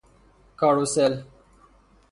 کاروسل